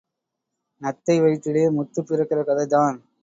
நத்தை வயிற்றிலே முத்து பிறக்கிற கதைதான்..!